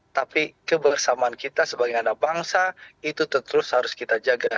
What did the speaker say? tapi kebersamaan kita sebagai anak bangsa itu terus harus kita jaga